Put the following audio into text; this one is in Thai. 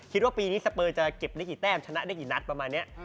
คิดว่าปีนี้สเปอร์จะเก็บได้กี่แต้มชนะได้กี่นัดประมาณนี้